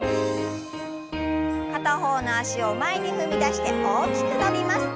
片方の脚を前に踏み出して大きく伸びます。